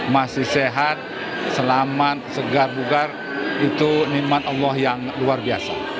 masih sehat selamat segar bugar itu nikmat allah yang luar biasa